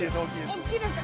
大きいですよね。